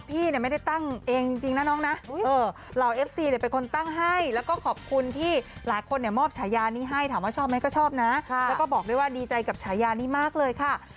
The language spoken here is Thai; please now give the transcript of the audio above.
ขอให้รางวัณชีวิตกับตัวเองสักหน่อยค่ะ